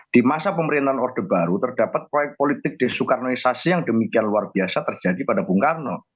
di masa pemerintahan orde baru terdapat proyek politik desukanisasi yang demikian luar biasa terjadi pada bung karno